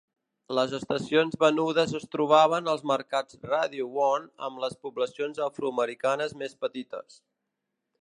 Les estacions venudes es trobaven als mercats Radio One amb les poblacions afroamericanes més petites.